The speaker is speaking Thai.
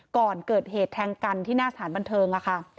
ก่อนเกิดเหตุแทงกันที่หน้าสถานบันเทิงค่ะ